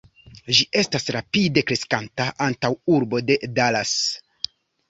Ĝi estas rapide kreskanta antaŭurbo de Dallas.